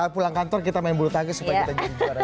pulang kantor kita main bulu tangkis supaya kita jadi juara